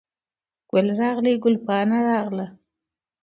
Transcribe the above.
ګل راغلی، ګل پاڼه راغله